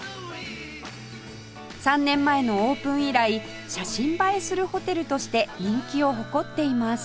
３年前のオープン以来写真映えするホテルとして人気を誇っています